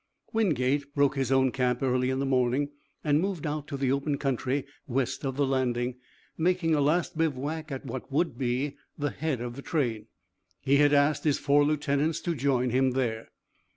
Wingate broke his own camp early in the morning and moved out to the open country west of the landing, making a last bivouac at what would be the head of the train. He had asked his four lieutenants to join him there.